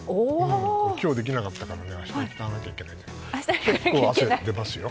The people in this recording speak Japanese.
今日できなかったから明日行かなきゃいけないんだけど。